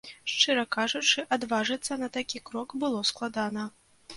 Шчыра кажучы, адважыцца на такі крок было складана.